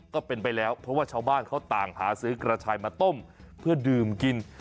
ก็เป็นไปแล้วเพราะว่าชาวบ้านเขาต่างหาซื้อกระชายมาต้มเพื่อดื่มกิน